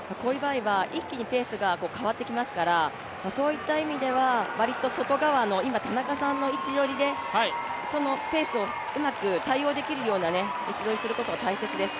一気にペースが変わってきますから、割と外側の今、田中さんの位置取りで、そのペースをうまく対応できるような位置取りをすることが大切です。